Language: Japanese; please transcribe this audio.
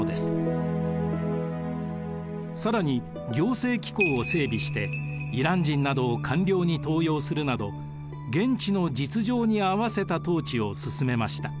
更に行政機構を整備してイラン人などを官僚に登用するなど現地の実情にあわせた統治を進めました。